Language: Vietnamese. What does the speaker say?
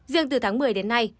riêng từ tháng một mươi đến nay